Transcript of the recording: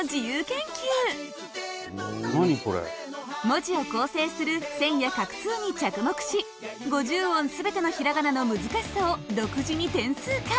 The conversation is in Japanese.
文字を構成する線や画数に着目し５０音全ての平仮名の難しさを独自に点数化。